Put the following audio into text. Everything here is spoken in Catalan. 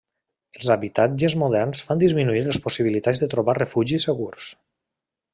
Els habitatges moderns fan disminuir les possibilitats de trobar refugis segurs.